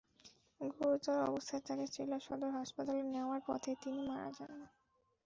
গুরুতর অবস্থায় তাঁকে জেলা সদর হাসপাতালে নেওয়ার পথে তিনি মারা যান।